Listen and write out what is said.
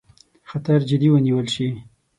خطر جدي ونیول شي.